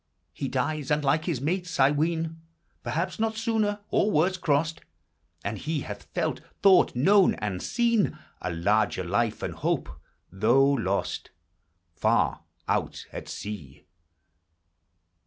He dies unlike his mates, I ween ; Perhaps not sooner, or worse crossed ; And he hath felt, thought, known, and sew A larger life and hope — though Lost Far "in at sea